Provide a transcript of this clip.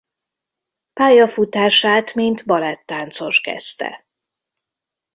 Pályafutását mint balett-táncos kezdte.